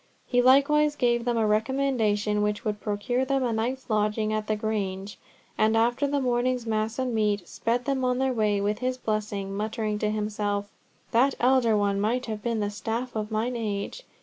He likewise gave them a recommendation which would procure them a night's lodging at the Grange, and after the morning's mass and meat, sped them on their way with his blessing, muttering to himself, "That elder one might have been the staff of mine age!